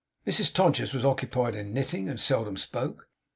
Mrs Todgers was occupied in knitting, and seldom spoke.